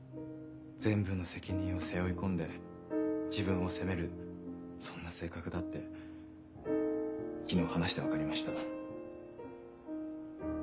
全部の責任を背負い込んで自分を責めるそんな性格だって昨日話して分かりました。